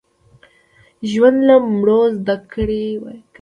ژوندي له مړو زده کړه کوي